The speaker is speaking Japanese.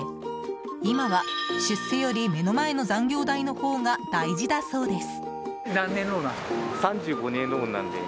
今は出世より、目の前の残業代の方が大事だそうです。